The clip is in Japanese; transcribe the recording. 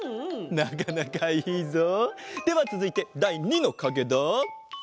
なかなかいいぞ！ではつづいてだい２のかげだ。